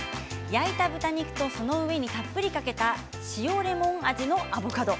焼いた豚肉とその上にたっぷりかけた塩レモン味のアボカド。